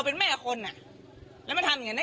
เธอใฟงักไง่ที่โจมตีลว่าทำอย่างนั้น